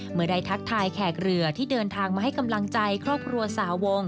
เมื่อได้ทักทายแขกเรือที่เดินทางมาให้กำลังใจครอบครัวสาวง